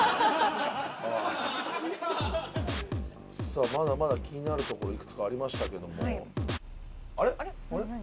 さあまだまだ気になるところ幾つかありましたけども。